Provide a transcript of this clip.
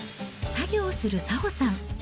作業する早穂さん。